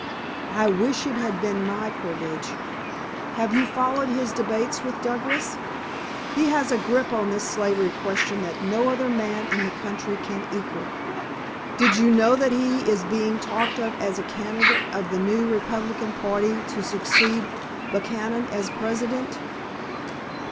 I wish it had been my privilege. Have you followed his debates with Douglas? He has a grip on this slavery question that no other man in the country can equal. Did you know that he is being talked of as a candidate of the new Republican party to succeed Buchanan as President?"